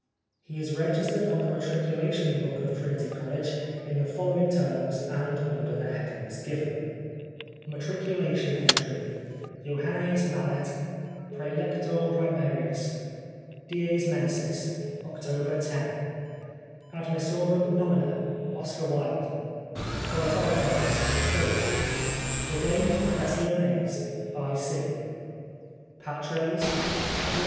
He is registered on the matriculation book of Trinity College in the following terms and under the headings given :— MATRICULATION ENTRY Johannes Malet Praelector Primarius Dies Mensis Admissorum Nomina Qualitates Fidei Professiones Oct. 10 Oscar Wilde P. I. C.